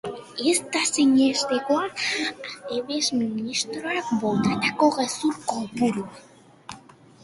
Ez da sinistekoa Acebes ministroak botatako gezur kopurua.